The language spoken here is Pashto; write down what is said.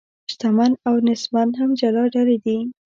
شتمن او نیستمن هم جلا ډلې دي.